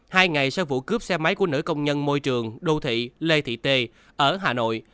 hai ngày sau vụ cướp xe máy của nữ công nhân môi trường đô thị lê thị tê ở hà nội